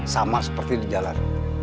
sama seperti di jalan